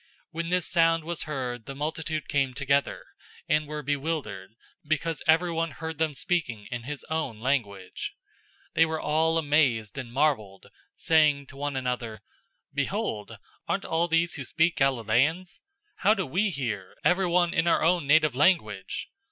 002:006 When this sound was heard, the multitude came together, and were bewildered, because everyone heard them speaking in his own language. 002:007 They were all amazed and marveled, saying to one another, "Behold, aren't all these who speak Galileans? 002:008 How do we hear, everyone in our own native language?